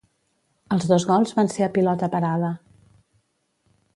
Els dos gols van ser a pilota parada.